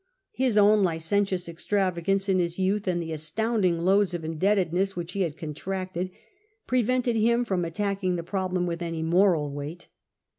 His own licentious extravagance in his youth, and the astounding loads of indebtedness which he had contracted, prevented him from attacking the problem with any moral weight.